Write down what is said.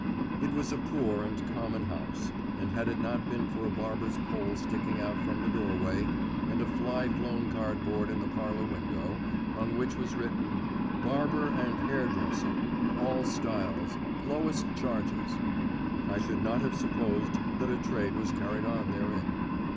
It was a poor and common house, and had it not been for a barber's pole sticking out from the doorway, and a fly blown cardboard in the parlour window, on which was written, "Barber and Hairdresser. All styles. Lowest charges," I should not have supposed that a trade was carried on therein.